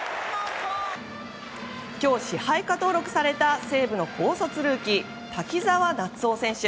今日、支配下登録された西武の高卒ルーキー滝澤夏央選手。